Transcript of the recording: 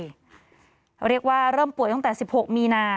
เขาเรียกว่าเริ่มป่วยตั้งแต่๑๖มีนา